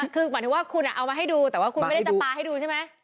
คือหมายถึงว่าคุณเอามาให้ดูแต่ว่าคุณไม่ได้จะปลาให้ดูใช่ไหม